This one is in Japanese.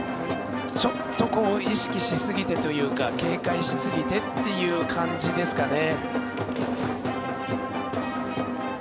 ちょっと意識しすぎてというか警戒しすぎてという感じですかね。